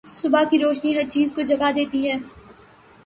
صبح کی روشنی ہر چیز کو جگا دیتی ہے۔